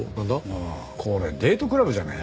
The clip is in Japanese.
ああこれデートクラブじゃね？